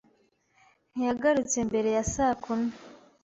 Ntiyagarutse mbere ya saa kumi.